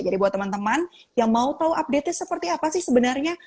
jadi buat teman teman yang mau tahu update nya seperti apa sih sebenarnya